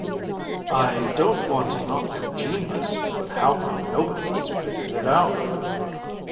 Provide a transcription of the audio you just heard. "I don't want to knock your genius, but how come nobody else figured it out?"